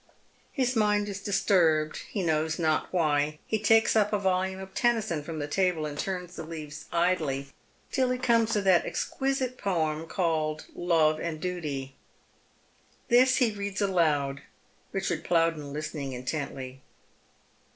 His mind is disturbed, he knows not why. He takes up a volume of Tennyson from the table and turns rha leaves idly till he comes to that exquisite poem called " Love and Duty." This he reads aloud, Richard Plowden listening intently.